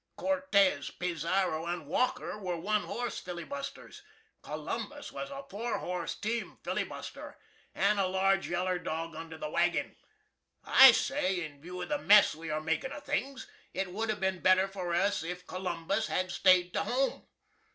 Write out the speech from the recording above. CORTEZ, PIZARRO, and WALKER were one horse fillibusters COLUMBUS was a four horse team fillibuster, and a large yaller dog under the waggin. I say, in view of the mess we are makin' of things, it would have been better for us if cOLUMBUS had staid to home.